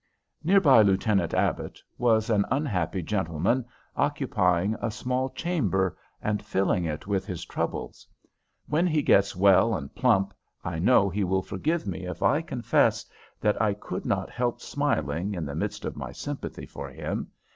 Near by Lieutenant Abbott was an unhappy gentleman, occupying a small chamber, and filling it with his troubles. When he gets well and plump, I know he will forgive me if I confess that I could not help smiling in the midst of my sympathy for him.